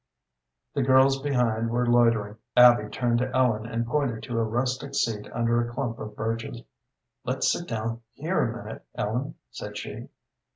The girls behind were loitering. Abby turned to Ellen and pointed to a rustic seat under a clump of birches. "Let's sit down there a minute, Ellen," said she.